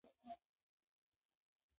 په پکتیا ولایت کې ژوند کوي